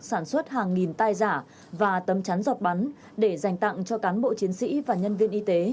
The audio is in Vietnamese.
sản xuất hàng nghìn tai giả và tấm chắn giọt bắn để dành tặng cho cán bộ chiến sĩ và nhân viên y tế